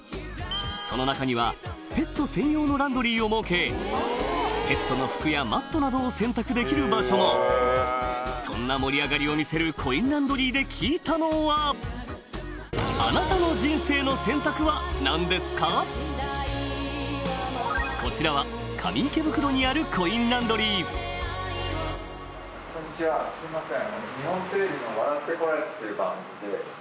その中にはペット専用のランドリーを設けペットの服やマットなどを洗濯できる場所もそんな盛り上がりを見せるコインランドリーで聞いたのはこちらは上池袋にあるコインランドリーすいません。